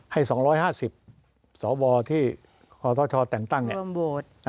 ให้๒๕๐สวที่คทชแต่งตั้งเนี่ย